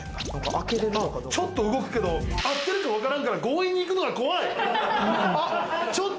ちょっと動くけど、合ってるかわからんから強引に行くのが怖い。